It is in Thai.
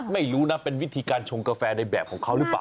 ไม่รู้นะเป็นวิธีการชงกาแฟในแบบของเขาหรือเปล่า